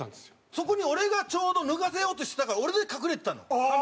そこに俺がちょうど脱がせようとしてたから俺で隠れてたの。